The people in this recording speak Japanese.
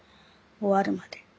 終わるまで。